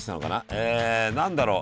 え何だろう？